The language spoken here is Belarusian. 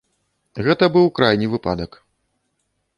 Гэта быў крайні выпадак.